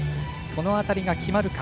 その辺りは決まるか。